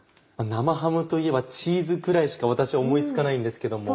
生ハムといえばチーズくらいしか私思い付かないんですけども。